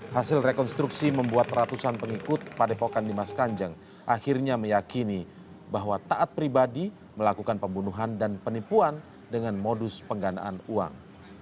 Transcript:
hasil rekonstruksi membuat ratusan pengikut padepokan dimas kanjeng akhirnya meyakini bahwa taat pribadi melakukan pembunuhan dan penipuan dengan modus pengganaan uang